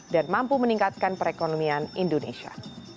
dan mampu meningkatkan perekonomian indonesia